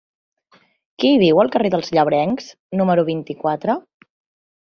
Qui viu al carrer dels Llebrencs número vint-i-quatre?